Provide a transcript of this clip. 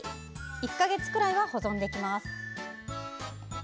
１か月くらいは保存できます。